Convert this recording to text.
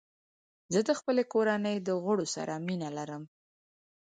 زه د خپلې کورنۍ د غړو سره مینه لرم.